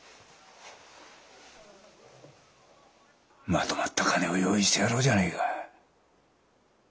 まとまった金を用意してやろうじゃねえか。